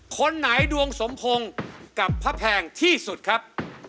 คนไหนดวงสมพงศ์กับพระแพงที่สุดครับ